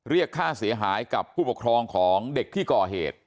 เรียกค่าเสียหายกับผู้ปกครองของเด็กที่ก่อเหตุ